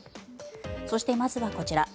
そして、まずはこちら。